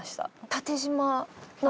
縦じま。